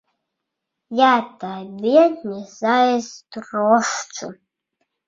Я табе не зайздрошчу.